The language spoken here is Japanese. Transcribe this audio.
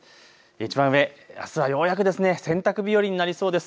いちばん上あすはようやく洗濯日和になりそうです。